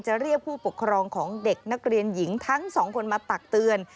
เรียกผู้ปกครองของเด็กนักเรียนหญิงทั้งสองคนมาตักเตือน